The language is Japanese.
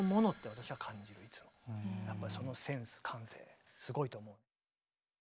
やっぱそのセンス感性すごいと思う。